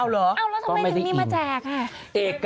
แล้วทำไมถึงมีมาแจกอ่ะ